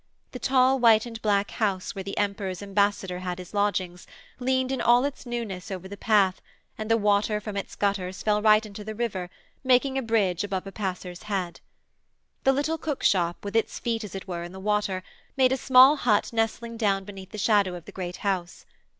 The tall white and black house, where the Emperor's ambassador had his lodgings, leaned in all its newness over the path, and the water from its gutters fell right into the river, making a bridge above a passer's head. The little cookshop, with its feet, as it were, in the water, made a small hut nestling down beneath the shadow of the great house.